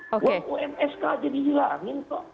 waktu msk jadi hilang ini